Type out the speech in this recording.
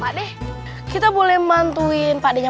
padeh kita boleh memantuin padanya